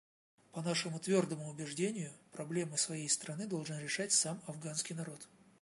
По нашему твердому убеждению, проблемы своей страны должен решать сам афганский народ.